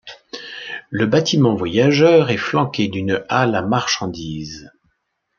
Le bâtiment voyageur est flanqué d'une halle à marchandises.